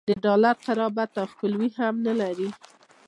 د ډالر قربت او خپلوي هم نه لري.